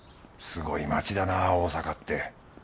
すごい街だなぁ大阪って。